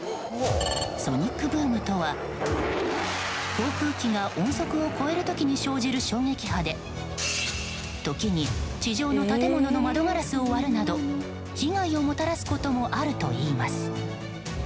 ソニックブームとは航空機が音速を超える時に生じる衝撃波で時に地上の建物の窓ガラスを割るなど被害をもたらすこともあるといいます。